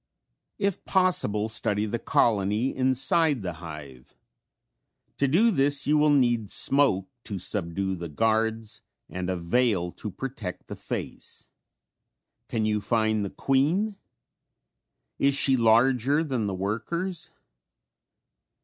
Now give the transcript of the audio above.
If possible study the colony inside the hive. To do this you will need smoke to subdue the guards and a veil to protect the face. Can you find the queen? Is she larger than the workers?